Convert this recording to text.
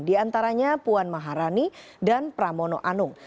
di antaranya puan maharani dan pramono anung